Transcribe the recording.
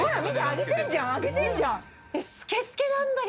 揚げてんじゃん揚げてんじゃん。